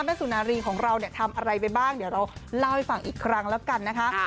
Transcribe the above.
สุนารีของเราเนี่ยทำอะไรไปบ้างเดี๋ยวเราเล่าให้ฟังอีกครั้งแล้วกันนะคะ